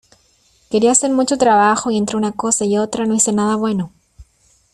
Quería hacer mucho trabajo y entre una cosa y otra no hice nada bueno.